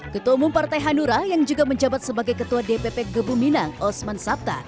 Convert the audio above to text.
ketua umum partai hanura yang juga menjabat sebagai ketua dpp gebuminang usman sabta